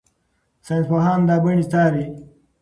ساینسپوهان دا بڼې څاري.